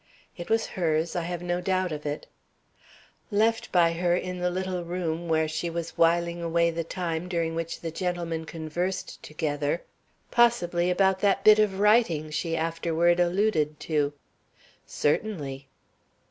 "It was hers; I have no doubt of it." "Left by her in the little room where she was whiling away the time during which the gentlemen conversed together, possibly about that bit of writing she afterward alluded to." "Certainly."